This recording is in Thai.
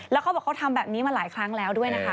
แล้วเขาบอกเขาทำแบบนี้มาหลายครั้งแล้วด้วยนะคะ